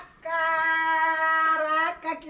saya lembut hati